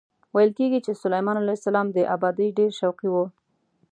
ویل کېږي چې سلیمان علیه السلام د ابادۍ ډېر شوقي و.